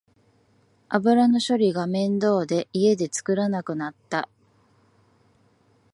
油の処理が面倒で家で作らなくなった